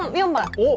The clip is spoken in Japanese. おっ！